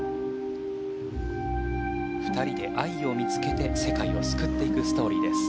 ２人で愛を見つけて世界を救っていくストーリーです。